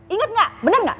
ingat gak bener gak